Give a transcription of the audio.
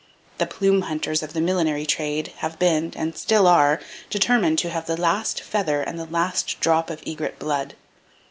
The "plume hunters" of the millinery trade have been, and still are, determined to have the last feather and the last drop of egret blood.